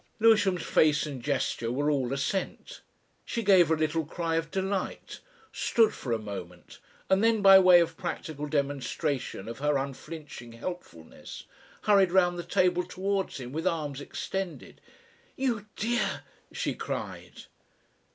Lewisham's face and gesture, were all assent. She gave a little cry of delight, stood for a moment, and then by way of practical demonstration of her unflinching helpfulness, hurried round the table towards him with arms extended, "You dear!" she cried.